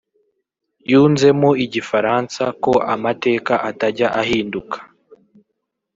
yunzemo Ifigaransa ko amateka atajya ahinduka